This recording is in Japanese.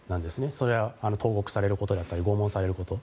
それは投獄されることだったり拷問されること。